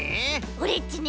オレっちね